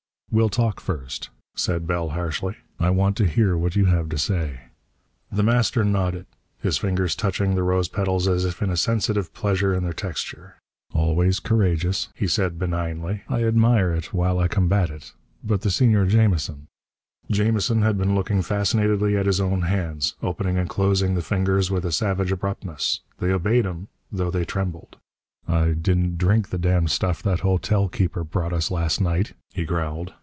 "We'll talk first," said Bell harshly. "I want to hear what you have to say." The Master nodded, his fingers touching the rose petals as if in a sensitive pleasure in their texture. "Always courageous," he said benignly. "I admire it while I combat it. But the Senor Jamison...." Jamison had been looking fascinatedly at his own hands, opening and closing the fingers with a savage abruptness. They obeyed him, though they trembled. "I didn't drink the damned stuff that hotel keeper brought us last night," he growled.